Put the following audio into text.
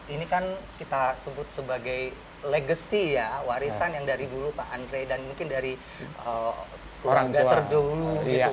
ini kan kita sebut sebagai legacy ya warisan yang dari dulu pak andre dan mungkin dari keluarga terdahulu gitu